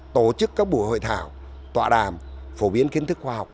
tổ chức các buổi hội thảo tọa đàm phổ biến kiến thức khoa học